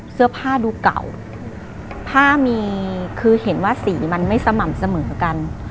เสื้อผ้าดูเก่าผ้ามีคือเห็นว่าสีมันไม่สม่ำเสมอกัน